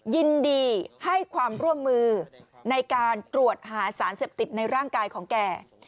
ยินดีให้ความร่วมมือในการตรวจหาสารเสพติดในร่างกายของแก